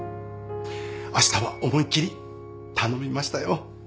あしたは思いっきり頼みましたよ。